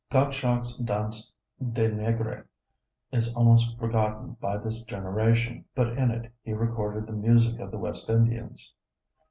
Gottschalk's Danse des N├©gres is almost forgotten by this generation but in it he recorded the music of the West Indians.